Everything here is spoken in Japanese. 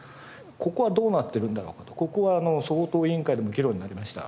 ここはどうなってるんだろうかとここは相当委員会でも議論になりました。